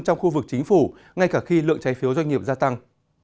trong khu vực chính phủ ngay cả khi lượng trái phiếu doanh nghiệp gia tăng